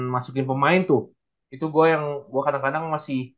masukin pemain tuh itu gue yang gue kadang kadang masih